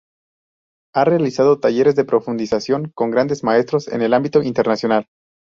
Ha realizado talleres de profundización con grandes Maestros en el ámbito Internacional.